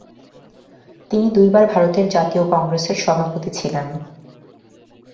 তিনি দুই বার ভারতের জাতীয় কংগ্রেসের সভাপতি ছিলেন।